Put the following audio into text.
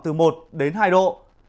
từ một đến hai độ